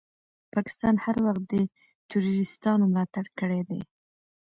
پاکستان هر وخت دي تروريستانو ملاتړ کړی ده.